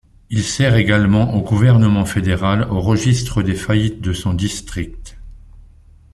Il sert également au gouvernement fédéral au registre des faillites de son district.